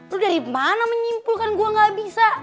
lo dari mana menyimpulkan gue nggak bisa